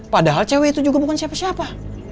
padahal cewek itu juga bukan siapa siapa